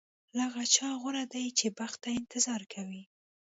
له هغه چا غوره دی چې بخت ته انتظار کوي.